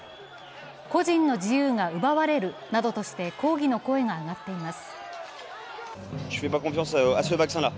個人の自由が奪われるなどとして抗議の声が上がっています。